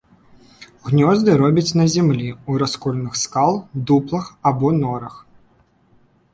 Гнёзды робяць на зямлі, у расколінах скал, дуплах або норах.